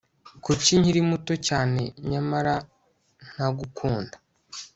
Kuki nkiri muto cyane nyamara ntagukunda